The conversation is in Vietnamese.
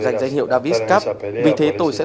giành danh hiệu davis cup vì thế tôi sẽ